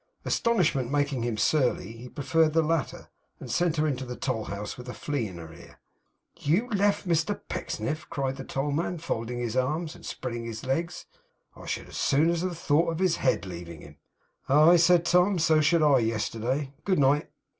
Astonishment making him surly, he preferred the latter, and sent her into the toll house with a flea in her ear. 'You left Mr Pecksniff!' cried the tollman, folding his arms, and spreading his legs. 'I should as soon have thought of his head leaving him.' 'Aye!' said Tom, 'so should I, yesterday. Good night!